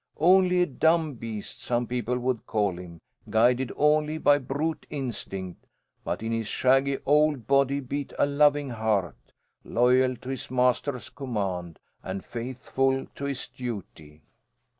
Only a dumb beast, some people would call him, guided only by brute instinct, but in his shaggy old body beat a loving heart, loyal to his master's command, and faithful to his duty.